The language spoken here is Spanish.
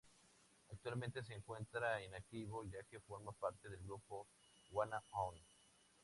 Actualmente se encuentra inactivo, ya que forma parte del grupo "Wanna One".